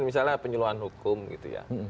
misalnya penyuluhan hukum gitu ya